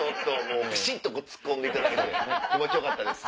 ピシ！とツッコんでいただけて気持ちよかったです。